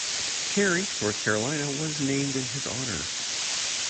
Cary, North Carolina was named in his honor.